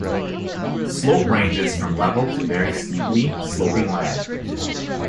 Slope ranges from level to very steeply sloping land.